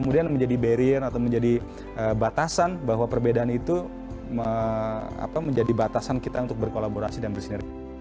dan menjadi barian atau menjadi batasan bahwa perbedaan itu menjadi batasan kita untuk berkolaborasi dan bersinergi